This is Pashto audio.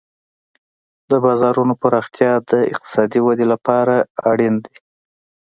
د بازارونو پراختیا د اقتصادي ودې لپاره اړین دی.